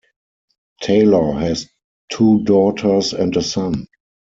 Taylor has two daughters and a son.